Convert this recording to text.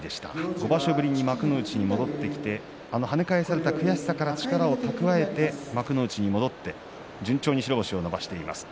５場所ぶりに幕内に戻ってきて跳ね返された悔しさから力を蓄えて幕内に戻って順調に白星を伸ばしています。